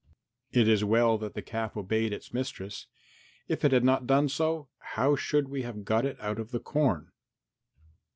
It is well that the calf obeyed its mistress; if it had not done so, how should we have got it out of the corn?"